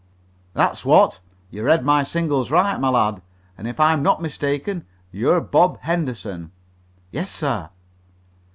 "That's what. You read my signals right, my lad, and if I'm not mistaken, you're Bob Henderson." "Yes, sir."